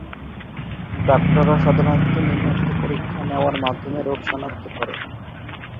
ডাক্তাররা সাধারণত নিম্নোক্ত পরীক্ষা নেওয়ার মাধ্যমে রোগ শনাক্ত করেন।